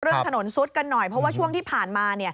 ถนนซุดกันหน่อยเพราะว่าช่วงที่ผ่านมา